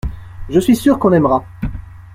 Je suis sûr qu’on aimera.